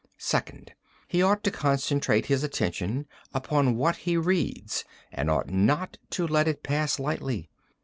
"Second: He ought to concentrate his attention upon what he reads and ought not to let it pass lightly.